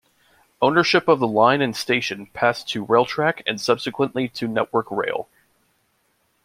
Ownership of the line and station passed to Railtrack and subsequently to Network Rail.